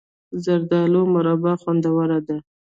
د زردالو مربا خوندوره وي.